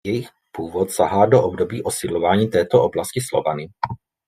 Jejich původ sahá do období osídlování této oblasti Slovany.